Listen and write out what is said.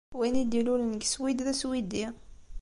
Win i d-ilulen deg Swid d aswidi.